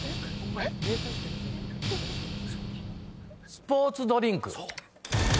スポーツドリンク。